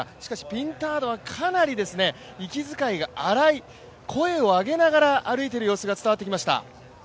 しかしピンタードはかなり息づかいが荒い声を上げながら歩いている様子が伝わってきました。